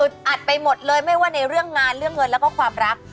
อัดไปหมดเลยไม่ว่าในเรื่องงานเรื่องเงินแล้วก็ความรัก